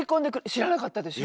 知らなかったです。